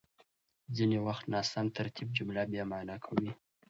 ځينې وخت ناسم ترتيب جمله بېمعنا کوي.